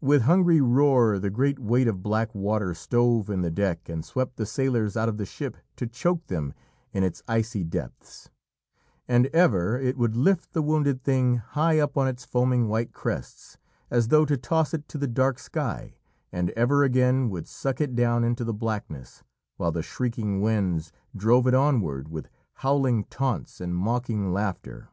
With hungry roar the great weight of black water stove in the deck and swept the sailors out of the ship to choke them in its icy depths; and ever it would lift the wounded thing high up on its foaming white crests, as though to toss it to the dark sky, and ever again would suck it down into the blackness, while the shrieking winds drove it onward with howling taunts and mocking laughter.